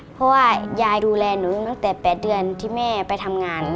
เพราะว่ายายดูแลหนูตั้งแต่๘เดือนที่แม่ไปทำงาน